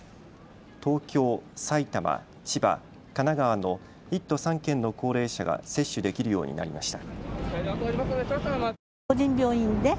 東京、埼玉、千葉、神奈川の１都３県の高齢者が接種できるようになりました。